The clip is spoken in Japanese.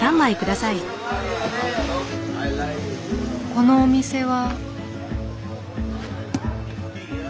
このお店は。